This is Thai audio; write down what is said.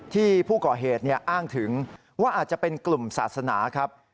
ที่ผู้ก่อเหตุอ้างถึงว่าอาจจะเป็นกลุ่มศาสนาครับ